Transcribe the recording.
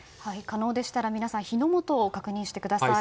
可能でしたら皆さん火の元を確認してください。